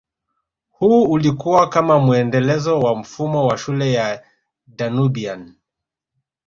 Huu ulikua kama muendelezo wa mfumo wa shule ya Danubian